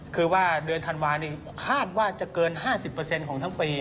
คือว่าเดือนธันวานี้คาดว่าจะเกิน๕๐ของทั้งปี